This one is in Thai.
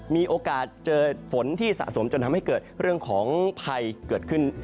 มีโอกาสเจอฝนที่สะสมจนทำให้เกิดเรื่องของภัยเกิดขึ้น